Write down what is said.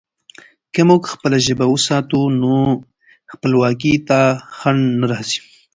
که موږ خپله ژبه وساتو، نو خپلواکي ته خنډ نه راځي.